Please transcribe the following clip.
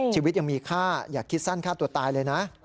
ชีวิตยังมีค่าอย่าคิดสั้นฆ่าตัวตายเลยนะ